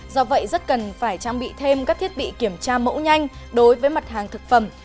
do vậy rất cần phải trang bị thêm các thiết bị kiểm tra mẫu nhanh đối với mặt hàng thực phẩm